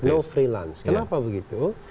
no freelance kenapa begitu